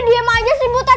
diem aja sih buta